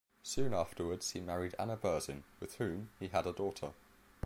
Soon afterwards he married Anna Berzin, with whom he had a daughter.